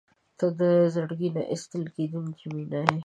• ته د زړګي نه ایستل کېدونکې مینه یې.